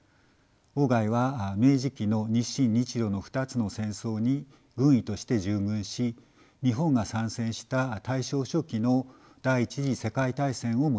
外は明治期の日清日露の２つの戦争に軍医として従軍し日本が参戦した大正初期の第１次世界大戦をも体験しています。